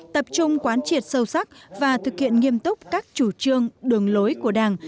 tập trung quán triệt sâu sắc và thực hiện nghiêm túc các chủ trương đường lối của đảng